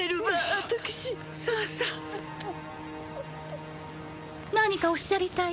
私さあさあ何かおっしゃりたい？